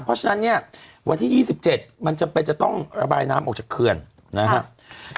เพราะฉะนั้นเนี่ยวันที่๒๗มันจำเป็นจะต้องระบายน้ำออกจากเขื่อนนะครับ